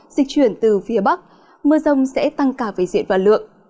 dịch chuyển từ phía bắc mưa rông sẽ tăng cả về diện và lượng